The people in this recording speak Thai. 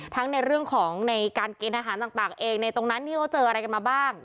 ทั้งในเรื่องของในการกินอาหารต่างเองในตรงนั้นนี่เจออะไรกันมาบ้าง